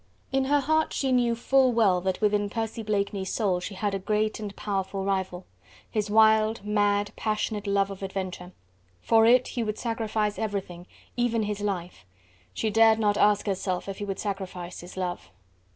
In her heart she knew full well that within Percy Blakeney's soul she had a great and powerful rival: his wild, mad, passionate love of adventure. For it he would sacrifice everything, even his life; she dared not ask herself if he would sacrifice his love.